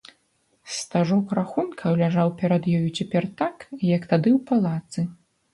Стажок рахункаў ляжаў перад ёю цяпер так, як тады ў палацы.